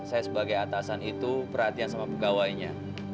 saya sebagai atasan itu perhatian sama pegawainya